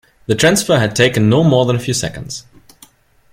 The transfer had taken no more than a few seconds.